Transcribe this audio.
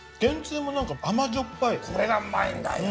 これがうまいんだよ。